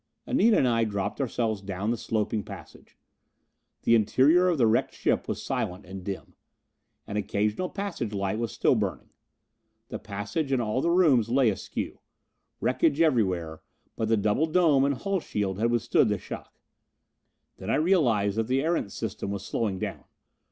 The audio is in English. Anita and I dropped ourselves down the sloping passage. The interior of the wrecked ship was silent and dim. An occasional passage light was still burning. The passage and all the rooms lay askew. Wreckage everywhere: but the double dome and hull shell had withstood the shock. Then I realized that the Erentz system was slowing down.